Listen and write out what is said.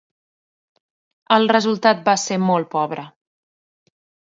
El resultat va ser molt pobre.